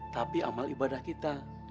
tapi amal ibadah kita